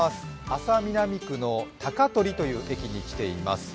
安佐南区の高取という駅に来ています。